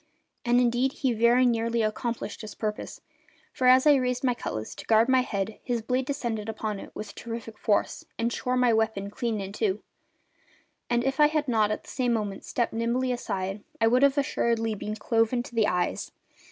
And indeed he very nearly accomplished his purpose; for as I raised my cutlass to guard my head his blade descended upon it with terrific force and shore my weapon clean in two, and if I had not at the same moment stepped nimbly aside I should assuredly have been cloven to the eyes.